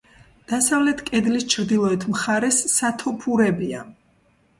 დასავლეთ კედლის ჩრდილოეთ მხარეს სათოფურებია.